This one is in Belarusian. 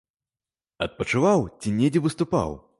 Адпачываў ці недзе выступаў?